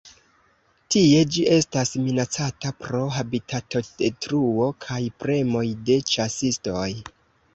Tie ĝi estas minacata pro habitatodetruo kaj premoj de ĉasistoj.